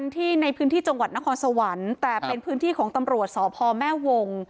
ที่ในพื้นที่จังหวัดนครสวรรค์แต่เป็นพื้นที่ของตำรวจสพแม่วง